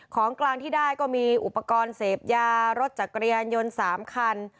ของกลางที่ได้ก็มีอุปกรณ์เสพยารถจักรยานยนต์๓คัน